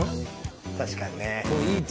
確かにね。